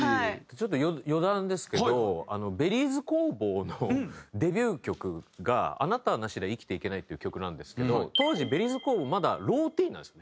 ちょっと余談ですけどＢｅｒｒｙｚ工房のデビュー曲が『あなたなしでは生きてゆけない』っていう曲なんですけど当時Ｂｅｒｒｙｚ工房まだローティーンなんですよね。